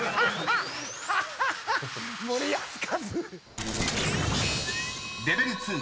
「森保一」！